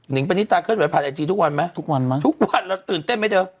งปณิตาเคลื่อนไหวผ่านไอจีทุกวันไหมทุกวันไหมทุกวันเราตื่นเต้นไหมเธอ